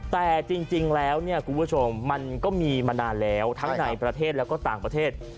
แต่จริงแล้วเนี่ยคุณผู้ชมมันก็มีมานานแล้วทั้งในประเทศแล้วก็ต่างประเทศ